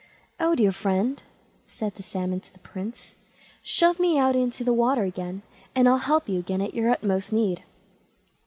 "Oh, dear friend", said the Salmon to the Prince; "shove me out into the water again, and I'll help you again at your utmost need."